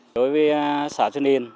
đối với xã xuân yên